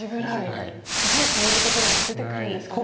１０超えるところが出てくるんですかね。